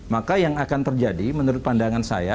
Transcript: maka yang akan terjadi menurut pandangan saya